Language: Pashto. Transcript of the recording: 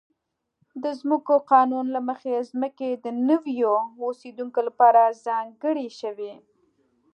د ځمکو قانون له مخې ځمکې د نویو اوسېدونکو لپاره ځانګړې شوې.